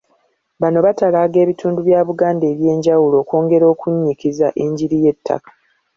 Bano batalaaga ebitundu bya Buganda ebyenjawulo okwongera okunnyikiza enjiri y'ettaka.